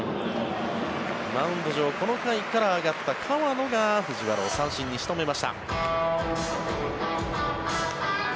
マウンド上この回から上がった河野が藤原を三振に仕留めました。